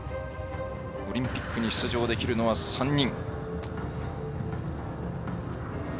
オリンピックに出場できるのは３人。